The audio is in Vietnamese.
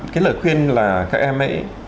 cái lời khuyên là các em ấy